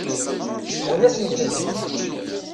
Sebɣen-asen-tent.